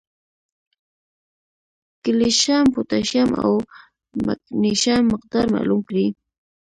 کېلشیم ، پوټاشیم او مېګنيشم مقدار معلوم کړي